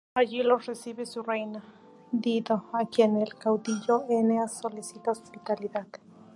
Allí los recibe su reina, Dido, a quien el caudillo Eneas solicita hospitalidad.